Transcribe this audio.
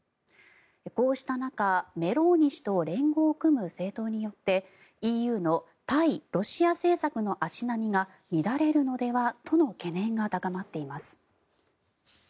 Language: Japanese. こうした中、メローニ氏と連合を組む政党によってＥＵの対ロシア政策の足並みが乱れるのではとの懸念が高まっています。